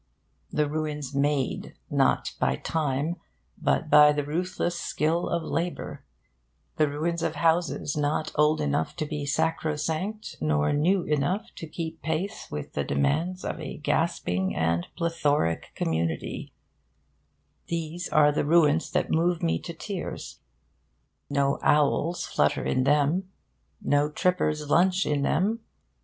The ruins made, not by Time, but by the ruthless skill of Labour, the ruins of houses not old enough to be sacrosanct nor new enough to keep pace with the demands of a gasping and plethoric community these are the ruins that move me to tears. No owls flutter in them. No trippers lunch in them.